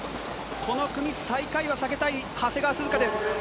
この組最下位は避けたい、長谷川涼香です。